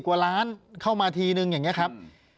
กว่าล้านเข้ามาทีนึงอย่างนี้ครับ